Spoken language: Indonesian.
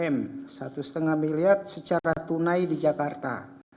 satu lima miliar secara tunai di jakarta